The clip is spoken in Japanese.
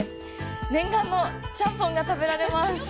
念願のちゃんぽんが食べられます！